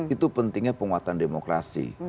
itu pentingnya penguatan demokrasi